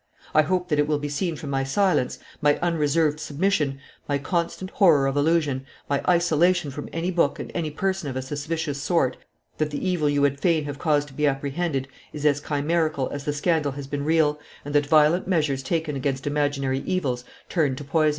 I hope that it will be seen from my silence, my unreserved submission, my constant horror of illusion, my isolation from any book and any person of a suspicious sort, that the evil you would fain have caused to be apprehended is as chimerical as the scandal has been real, and that violent measures taken against imaginary evils turn to poison."